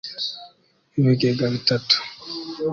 Ibigega bitatu